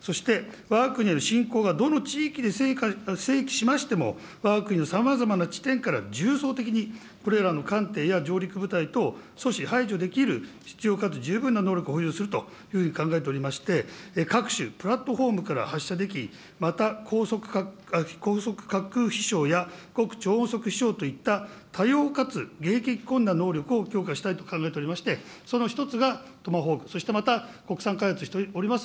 そしてわが国のしんこうがどの地域にせいきしましても、わが国のさまざまな地点から重層的に、これらの艦艇や上陸部隊等阻止、排除できる必要かつ十分な能力を保有するというふうに考えておりまして、各種プラットフォームから発射でき、また高速滑空飛しょうや、極超音速飛しょうといった多様かつ迎撃困難な強化したいと考えておりまして、その１つがトマホーク、そしてまた国産開発しております